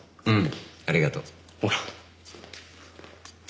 うん。